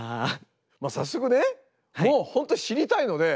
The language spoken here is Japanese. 早速ねもう本当知りたいので。